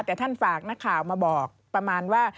แต่ท่านฝากนักข่าวมาบอกประมาณว่า